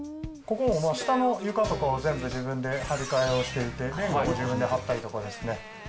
ここも、下の床とかは、全部自分で張り替えをしていて、自分で張ったりとかですね。